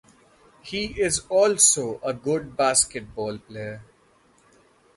He is also a good basketball player.